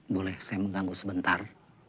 boleh saya mengganggu sebentar